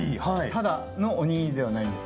ただのおにぎりではないんです。